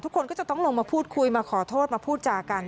ทุกคนก็จะต้องลงมาพูดคุยมาขอโทษมาพูดจากัน